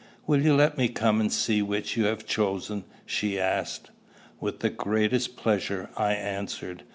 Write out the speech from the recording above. "Will you let me come and see which you have chosen?" she asked. "With the greatest pleasure," I answered.